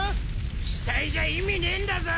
死体じゃ意味ねえんだぞ。